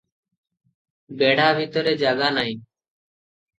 ବେଢ଼ା ଭିତରେ ଜାଗା ନାହିଁ ।